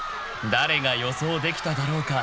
［誰が予想できただろうか？